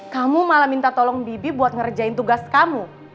kamu malah minta tolong bibi buat ngerjain tugas kamu